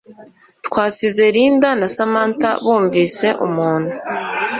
twasize Linda na Samantha bumvise umuntu